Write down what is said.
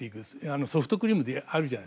ソフトクリームであるじゃないですか。